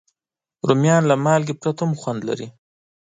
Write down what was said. رومیان له مالګې پرته هم خوند لري